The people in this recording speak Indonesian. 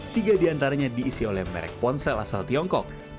tiga diantaranya diisi oleh merek ponsel asal tiongkok